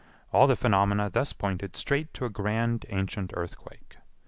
All the phenomena thus pointed straight to a grand ancient earthquake.